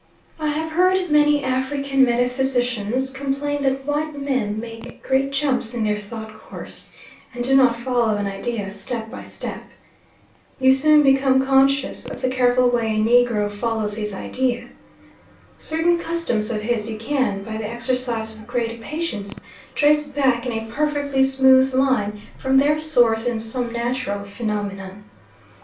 I have frequently heard African metaphysicians complain that white men make great jumps in their thought course, and do not follow an idea step by step. You soon become conscious of the careful way a Negro follows his idea. Certain customs of his you can, by the exercise of great patience, trace back in a perfectly smooth line from their source in some natural phenomenon.